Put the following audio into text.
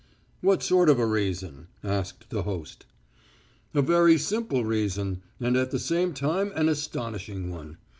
"What sort of a reason?" asked the host. "A very simple reason, and at the same time an astonishing one.